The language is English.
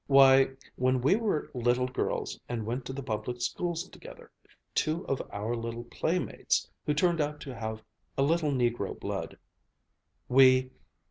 Why, when we were little girls and went to the public schools together, two of our little playmates, who turned out to have a little negro blood, we